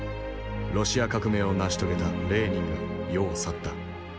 ロシア革命を成し遂げたレーニンが世を去った。